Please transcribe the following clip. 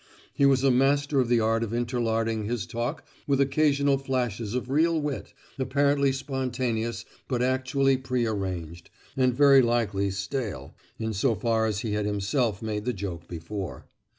He was a master of the art of interlarding his talk with occasional flashes of real wit, apparently spontaneous but actually pre arranged, and very likely stale, in so far that he had himself made the joke before.